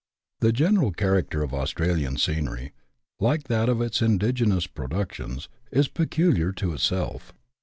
The general character of Australian scenery, like that of its indigenous productions, is peculiar to itself.